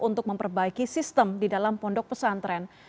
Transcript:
untuk memperbaiki sistem di dalam pondok pesantren